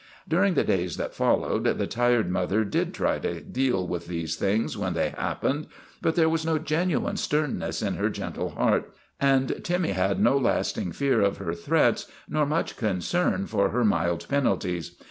During the days that followed, the tired mother did try to deal with these things when they hap pened, but there was no genuine sternness in her gentle heart and Timmy had no lasting fear of her threats nor much concern for her mild penalties.